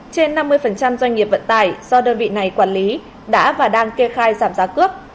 trên năm mươi doanh nghiệp vận tải do đơn vị này quản lý đã và đang kê khai giảm giá cước